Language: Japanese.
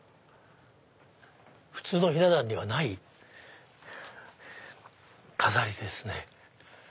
普通のひな壇にはない飾りですね。